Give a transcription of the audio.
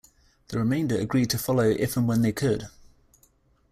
The remainder agreed to follow if and when they could.